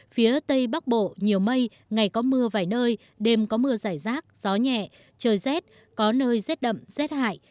phía tây bắc bộ nhiều mây ngày có mưa vài nơi đêm có mưa rải rác gió nhẹ trời rét có nơi rét đậm rét hại